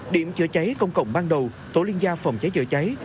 điểm chữa cháy công cộng ban đầu tổ liên gia phòng cháy chữa cháy